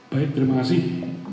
baik terima kasih